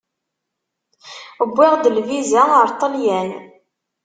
Wwiɣ-d lviza ar Ṭelyan.